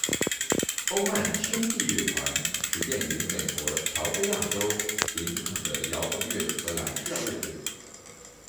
欧曼兄弟乐团始建于美国乔治亚州梅肯的摇滚乐和蓝调乐团。